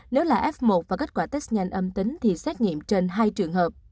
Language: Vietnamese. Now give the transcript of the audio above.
nếu là f một và kết quả test nhanh âm tính thì xét nghiệm trên hai trường hợp